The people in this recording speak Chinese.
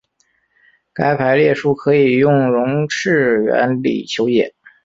该排列数可以用容斥原理求解。